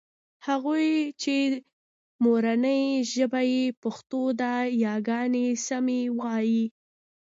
هغوی چې مورنۍ ژبه يې پښتو ده یاګانې سمې وايي